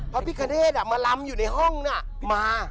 พระพิคเนธมาลำอยู่ในห้องน่ะมา